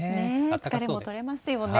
疲れも取れますよね。